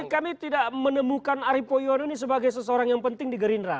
kami tidak menemukan arief poyono ini sebagai seseorang yang penting di gerindra